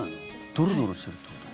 ドロドロしてるってこと？